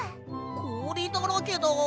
こおりだらけだ！